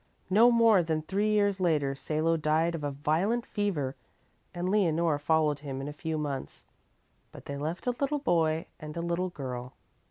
Not more than three years later Salo died of a violent fever and Leonore followed him in a few months, but they left a little boy and a little girl.